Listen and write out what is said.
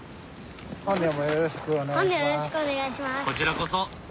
こちらこそ！